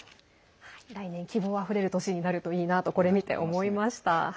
来年、希望あふれる年になるといいなと、これ見て思いました。